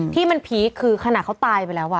ที่มันพีคคือขนาดเขาตายไปแล้ว